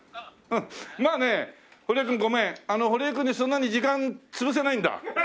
まあね堀江君ごめん堀江君にそんなに時間潰せないんだ。